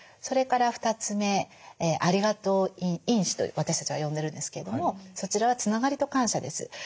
それから２つ目「ありがとう」因子と私たちは呼んでるんですけれどもそちらはつながりと感謝です。